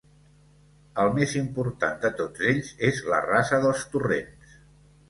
El més important de tots ells és la Rasa dels Torrents.